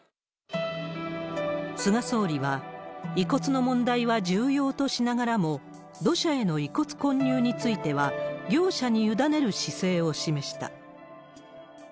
菅総理は、遺骨の問題は重要としながらも、土砂への遺骨混入については業者に委ねる姿勢を示した。